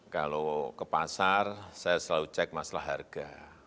kalau ke pasar saya selalu cek masalah harga